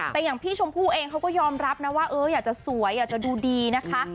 แต่อย่างพี่ชมพู่เองเขาก็ยอมรับนะว่าอยากจะสวยอยากจะดูดีนะคะ